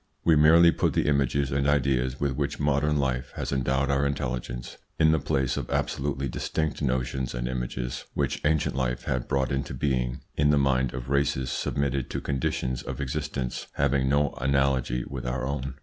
We merely put the images and ideas with which modern life has endowed our intelligence in the place of absolutely distinct notions and images which ancient life had brought into being in the mind of races submitted to conditions of existence having no analogy with our own.